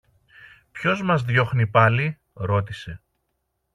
Ποιος μας διώχνει πάλι; ρώτησε.